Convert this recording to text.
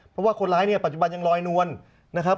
เพราะว่าคนร้ายเนี่ยปัจจุบันยังลอยนวลนะครับ